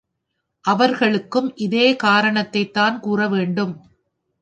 அவர்களுக்கும் இதே காரணத்தைத்தான் கூற வேண்டும்.